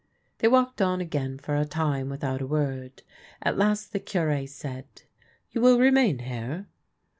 They walked on again for a time without a word. At last the Cure said, " You will remain here